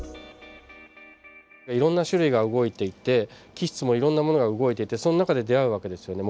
いろんな種類が動いていて基質もいろんなものが動いててその中で出会う訳ですよね。